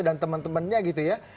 dan temen temennya gitu ya